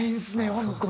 本当に。